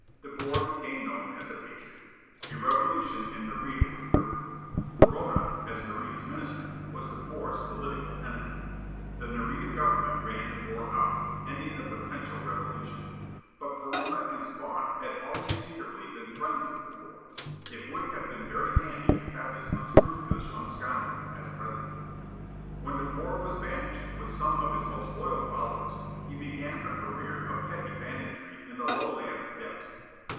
De Boer became known as a patriot. A revolution in Nareda was brewing. Perona, as Nareda's Minister, was De Boer's political enemy. The Nareda Government ran De Boer out, ending the potential revolution. But Perona and Spawn had always secretly been friends with De Boer. It would have been very handy to have this unscrupulous young scoundrel as President. When De Boer was banished with some of his most loyal followers, he began a career of petty banditry in the Lowland's depths.